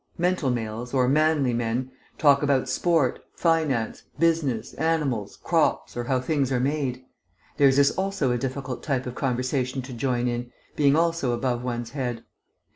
Mental males, or manly men, talk about sport, finance, business, animals, crops, or how things are made. Theirs is also a difficult type of conversation to join in, being also above one's head.